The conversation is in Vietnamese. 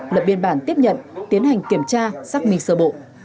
lập biên bản tiếp nhận tiến hành kiểm tra xác minh sơ bộ